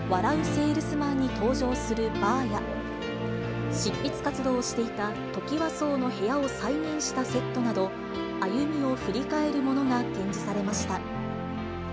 ゥせぇるすまんに登場するバーや、執筆活動をしていたトキワ荘の部屋を再現したセットなど、歩みを振り返るものが展示されました。